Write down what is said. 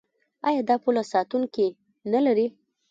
آیا دا پوله ساتونکي نلري؟